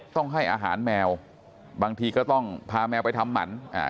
ต้องให้อาหารแมวบางทีก็ต้องพาแมวไปทำหมันอ่า